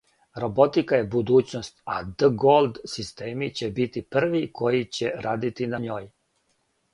Роботика је будућност, а ДГолд системи ће бити први који ће радити на њој!